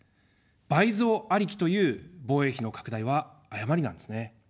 倍増ありきという防衛費の拡大は誤りなんですね。